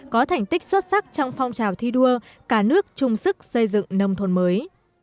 có thành tích xuất sắc trong phong trào thi đua cả nước chung sức xây dựng nông thôn mới